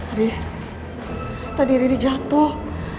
haris tadi riri jatuh